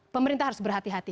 pemerintah harus berhati hati